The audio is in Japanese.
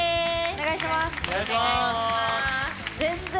お願いします！